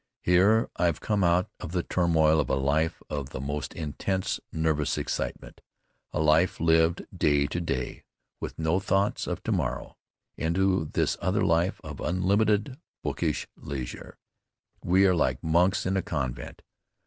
Here I've come out of the turmoil of a life of the most intense nervous excitement, a life lived day to day with no thought of to morrow, into this other life of unlimited bookish leisure. We are like monks in a convent.